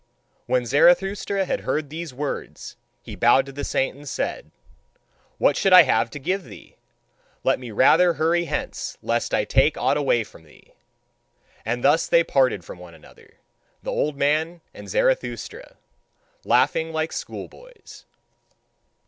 When Zarathustra had heard these words, he bowed to the saint and said: "What should I have to give thee! Let me rather hurry hence lest I take aught away from thee!" And thus they parted from one another, the old man and Zarathustra, laughing like schoolboys.